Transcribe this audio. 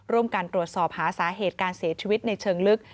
ร่วมกันตรวจสอบหาสาเหตุการเสียชีวิตในเชิงลึก